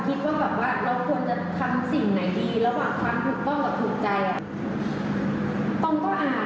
ต้องก็ยอมรับทุกอย่างว่าต้องผิด